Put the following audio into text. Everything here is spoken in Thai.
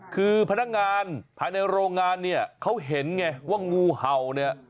คือพนักงานภายในโรงงานเนี่ยเขาเห็นไงว่างูเห่าเนี่ย